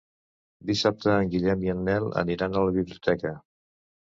Dissabte en Guillem i en Nel aniran a la biblioteca.